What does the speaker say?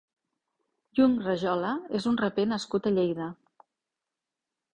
Yung Rajola és un raper nascut a Lleida.